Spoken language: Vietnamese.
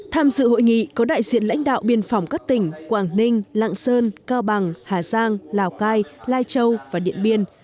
tham dự hội nghị có đại diện lãnh đạo biên phòng các tỉnh quảng ninh lạng sơn cao bằng hà giang lào cai lai châu và điện biên